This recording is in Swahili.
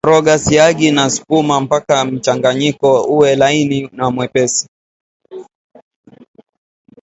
Koroga siagi na sukari mpaka mchanganyiko uwe laini na mwepesi